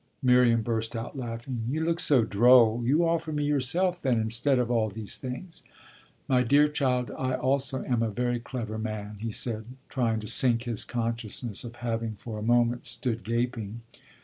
Miriam burst out laughing. "You look so droll! You offer me yourself, then, instead of all these things." "My dear child, I also am a very clever man," he said, trying to sink his consciousness of having for a moment stood gaping.